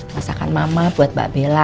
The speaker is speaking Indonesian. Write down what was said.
masakan mama buat mbak bella